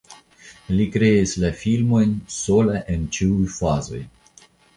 Li kreis la filmojn sola en ĉiuj fazoj.